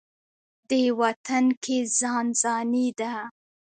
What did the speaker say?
دې وطن کې ځان ځاني ده.